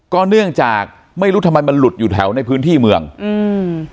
เนื่องจากไม่รู้ทำไมมันหลุดอยู่แถวในพื้นที่เมืองอืม